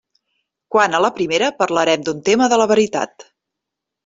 Quant a la primera, parlarem d'un tema de la veritat.